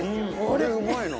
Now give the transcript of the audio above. これうまいな。